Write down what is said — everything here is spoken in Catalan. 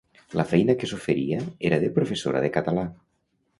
La feina que s’oferia era de professora de català.